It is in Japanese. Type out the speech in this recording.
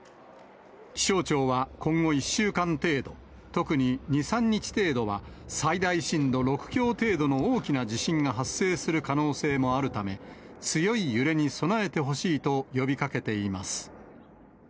気象庁は、今後１週間程度、特に２、３日程度は、最大震度６強程度の大きな地震が発生する可能性もあるため、強い揺れに備えてほしいと呼びかけています。